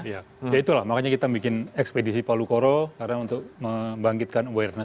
ya itulah makanya kita bikin ekspedisi palu koro karena untuk membangkitkan awareness